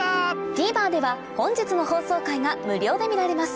ＴＶｅｒでは本日の放送回が無料で見られます